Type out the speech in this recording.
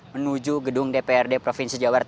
menuju gedung dprd provinsi jawa barat